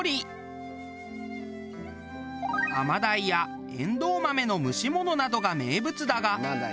甘鯛やエンドウ豆の蒸し物などが名物だが。